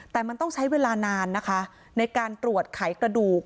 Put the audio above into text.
แต่มันต้องใช้เวลานานนะคะในการตรวจไขกระดูก